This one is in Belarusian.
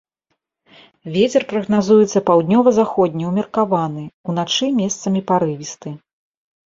Вецер прагназуецца паўднёва-заходні ўмеркаваны, уначы месцамі парывісты.